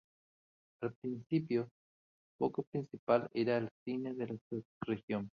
Al principio, su foco principal era el cine de esta región.